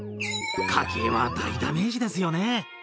家計は大ダメージですよね。